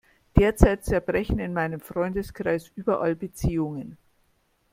Derzeit zerbrechen in meinem Freundeskreis überall Beziehungen.